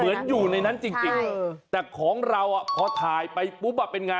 เหมือนอยู่ในนั้นจริงแต่ของเราอ่ะพอถ่ายไปปุ๊บอ่ะเป็นไง